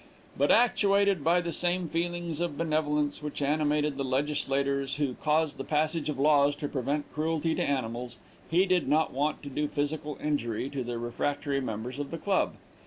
But actuated by the same feelings of benevolence which animated the legislators who caused the passage of laws to prevent cruelty to animals, he did not want to do physical injury to the refractory members of the club.